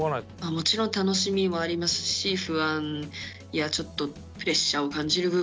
もちろん楽しみもありますし不安やちょっとプレッシャーを感じる部分もあります。